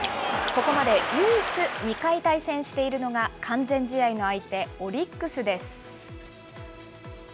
ここまで唯一、２回対戦しているのが完全試合の相手、オリックスです。